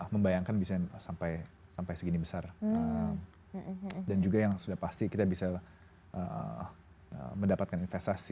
membayangkan bisa sampai sampai segini besar dan juga yang sudah pasti kita bisa mendapatkan investasi